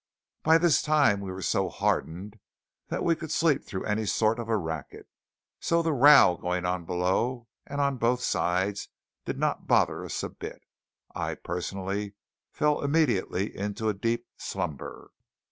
By this time we were so hardened that we could sleep through any sort of a racket, so the row going on below and on both sides did not bother us a bit. I, personally, fell immediately into a deep slumber.